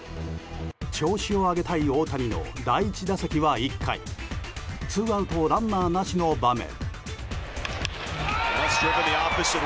調子を上げたい大谷の第１打席は１回ツーアウトランナーなしの場面。